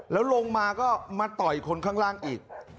แล้วลงมาก็มาต่อยคนข้างล่างอีก